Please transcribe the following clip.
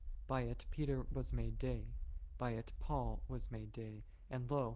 By it Peter was made day, by it Paul was made day ; and lo